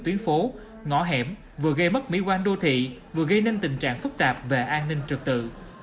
tuyến phố ngõ hẻm vừa gây mất mỹ quan đô thị vừa gây nên tình trạng phức tạp về an ninh trực tự